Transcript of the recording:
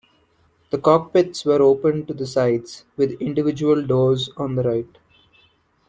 The cockpits were open to the sides, with individual doors on the right.